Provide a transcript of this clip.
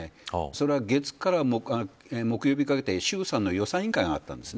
それは月から木曜日にかけて衆参の予算委員会があったんです。